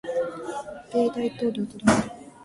米大統領トランプ氏